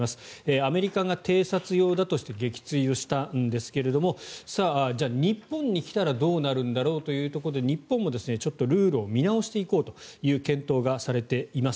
アメリカが偵察用だとして撃墜をしたんですがじゃあ日本に来たらどうなるんだろうというところで日本もちょっとルールを見直していこうという検討がされています。